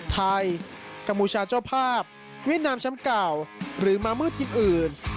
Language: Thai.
กัมพูชาเจ้าภาพเวียดนามแชมป์เก่าหรือมามืดทีมอื่น